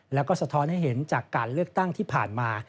แล้วก็สะท้อนให้เห็นจากการเลือกตั้งที่ผ่านมา